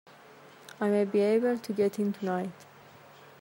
I may be able to get in tonight.